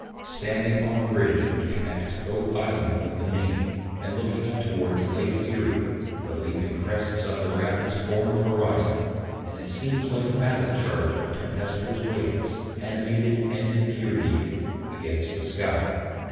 Standing on the bridge which connects Goat Island with the Main, and looking up towards Lake Erie, the leaping crests of the rapids form the horizon, and it seems like a battle charge of tempestuous waves, animated and infuriated, against the sky.